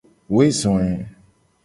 Woe zo e.